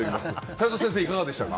齋藤先生、いかがでしたか？